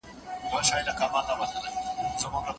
دنيا د ژوند تيرولو اسباب دي.